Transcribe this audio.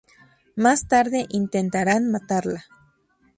Más tarde intentarán matarla.